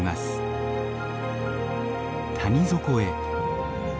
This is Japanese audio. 谷底へ。